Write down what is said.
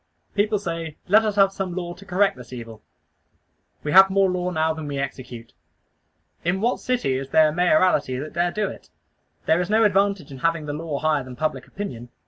People say "Let us have some law to correct this evil." We have more law now than we execute. In what city is there a mayoralty that dare do it? There is no advantage in having the law higher than public opinion.